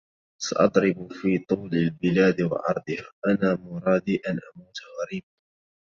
سأضرب في طول البلاد وعرضها... أنال مرادي أو أموت غريبـا